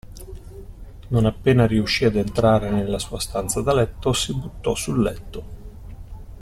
Non appena riuscì ad entrare nella sua stanza da letto, si buttò sul letto.